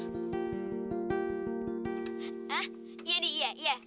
hah iya di iya iya